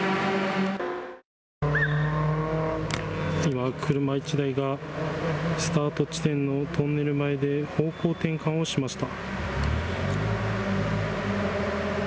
今、車１台がスタート地点のトンネル前で方向転換をしました。